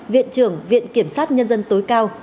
viện trưởng viện kiểm sát nhân dân tối cao